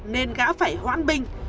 nên gã phải hoãn bình